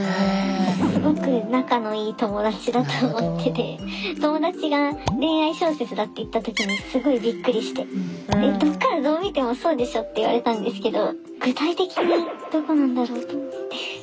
すごく仲のいい友達だと思ってて友達が恋愛小説だって言った時にすごいびっくりして「どこからどう見てもそうでしょ！」って言われたんですけど。